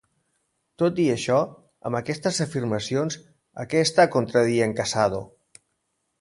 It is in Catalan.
Tot i això, amb aquestes afirmacions, a què està contradient Casado?